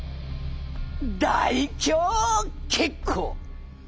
大凶結構。